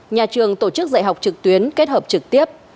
nhà trường tổ chức dạy học trực tuyến kết hợp trực tiếp